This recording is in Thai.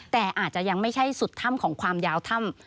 แต่อาจจะยังไม่ใช่สุดถ้ำของความยาวถ้ำ